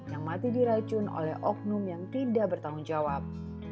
yang mati diracun oleh oknum yang tidak bertanggung jawab